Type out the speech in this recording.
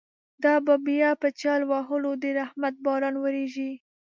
دابه بیا په جل وهلو، درحمت باران وریږی